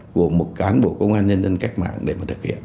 của một cán bộ công an nhân dân cách mạng để mà thực hiện